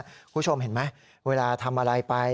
คุณผู้ชมเห็นไหมเวลาทำอะไรไป